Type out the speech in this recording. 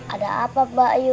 ada apa mbak yu